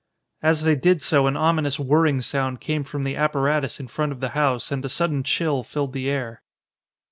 As they did so an ominous whirring sound came from the apparatus in front of the house and a sudden chill filled the air.